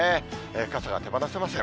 傘が手放せません。